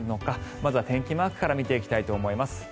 まずは天気マークから見ていきたいと思います。